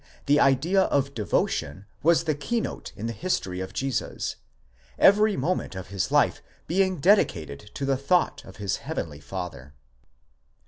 the idea of devotion was the key note in the history of Jesus, every moment of his life being dedicated to the thought of his heavenly Father."